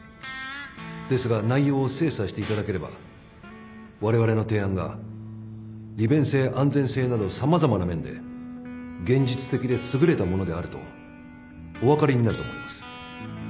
ですが内容を精査していただければわれわれの提案が利便性安全性など様々な面で現実的で優れたものであるとお分かりになると思います。